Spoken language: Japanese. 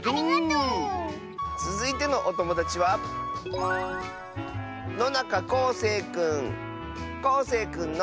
つづいてのおともだちはこうせいくんの。